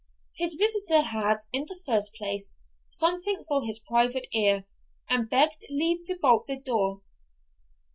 His visitor had, in the first place, something for his private ear, and begged leave to bolt the door.